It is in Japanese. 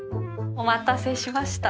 お待たせしました。